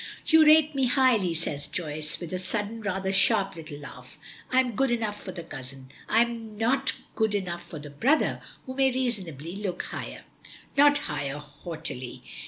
"You rate me highly," says Joyce, with a sudden rather sharp little laugh. "I am good enough for the cousin I am not good enough for the brother, who may reasonably look higher." "Not higher," haughtily.